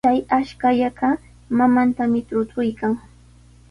Chay ashkallaqa mamantami trutruykan.